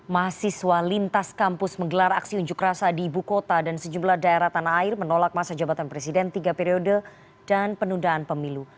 mahasiswa lintas kampus menggelar aksi unjuk rasa di ibu kota dan sejumlah daerah tanah air menolak masa jabatan presiden tiga periode dan penundaan pemilu